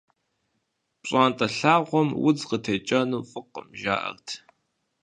ПщӀантӀэ лъагъуэм удз къытекӀэну фӀыкъым, жаӀэрт.